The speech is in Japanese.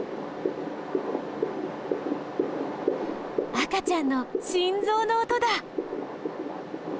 赤ちゃんの心ぞうの音だ！